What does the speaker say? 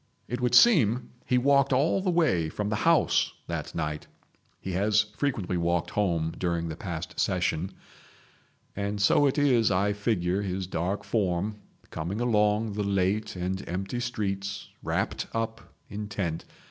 It would seem he walked all the way from the House that night—he has frequently walked home during the past Session—and so it is I figure his dark form coming along the late and empty streets, wrapped up, intent.